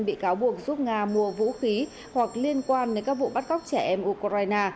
bị cáo buộc giúp nga mua vũ khí hoặc liên quan đến các vụ bắt cóc trẻ em ukraine